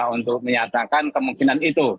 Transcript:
untuk menyatakan kemungkinan itu